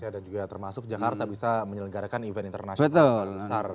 dan juga termasuk jakarta bisa menyelenggarakan event internasional besar